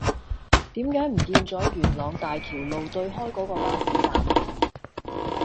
點解唔見左元朗大橋路對開嗰個巴士站